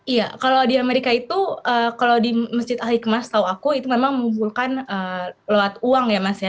iya kalau di amerika itu kalau di masjid al hikmah setahu aku itu memang mengumpulkan lewat uang ya mas ya